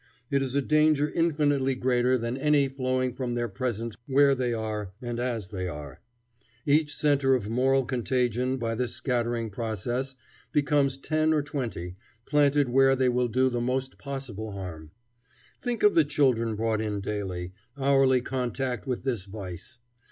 It is a danger infinitely greater than any flowing from their presence where they are, and as they are. Each centre of moral contagion by this scattering process becomes ten or twenty, planted where they will do the most possible harm. Think of the children brought in daily, hourly contact with this vice!